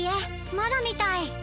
まだみたい。